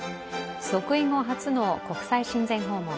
即位後初の国際親善訪問。